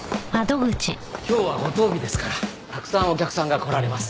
今日は五十日ですからたくさんお客さんが来られます。